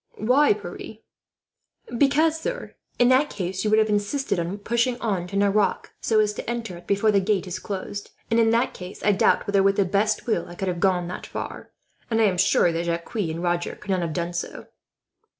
"Why, Pierre?" "Because, sir, in that case you would have insisted on pushing on to Nerac, so as to enter it before the gate is closed; and in that case I doubt whether, with the best will, I could have got that far, and I am sure that Jacques and Roger could not have done so."